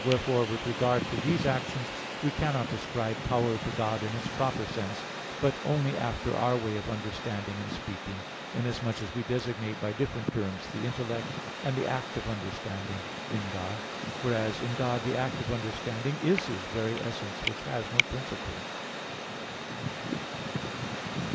Wherefore, with regard to these actions we cannot ascribe power to God in its proper sense, but only after our way of understanding and speaking: inasmuch as we designate by different terms the intellect and the act of understanding in God, whereas in God the act of understanding is His very essence which has no principle.